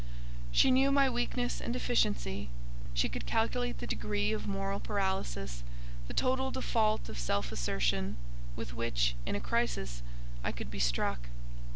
She knew my weakness and deficiency; she could calculate the degree of moral paralysis—the total default of self assertion—with which, in a crisis, I could be struck.